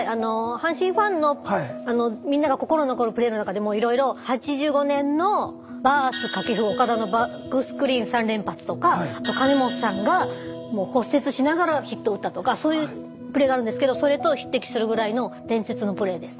阪神ファンのみんなが心に残るプレーの中でもいろいろ８５年のバース・掛布・岡田のバックスクリーン３連発とか金本さんが骨折しながらヒットを打ったとかそういうプレーがあるんですけどそれと匹敵するぐらいの伝説のプレーです。